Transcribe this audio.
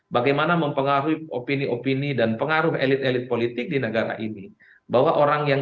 bagaimana mempengaruhi opini opini dan pengaruh elit elit politik di negara ini bahwa orang yang